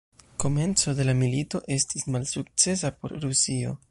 Komenco de la milito estis malsukcesa por Rusio.